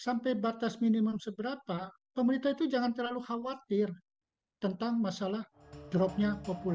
sampai batas minimum seberapa pemerintah itu jangan terlalu khawatir tentang masalah dropnya populer